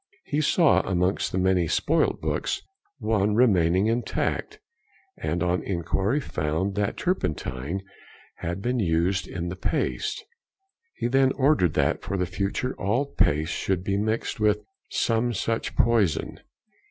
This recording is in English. He saw amongst the many spoilt books one |168| remaining intact, and on inquiry found that turpentine had been used in the paste. He then ordered that for the future all paste should be mixed with some such poison.